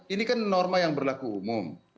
ini kan norma yang berlaku umum